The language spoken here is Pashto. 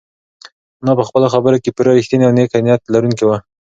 انا په خپلو خبرو کې پوره رښتینې او نېک نیت لرونکې وه.